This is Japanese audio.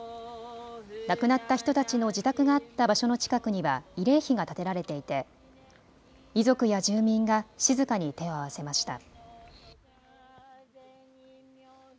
亡くなった人たちの自宅があった場所の近くには慰霊碑が建てられていて遺族や住民が静かに手を合わせました。